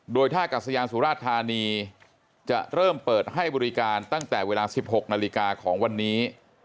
โดยท่ากัศยานสุราชธานีจะเริ่มเปิดให้บริการตั้งแต่เวลา๑๖นาฬิกาของวันนี้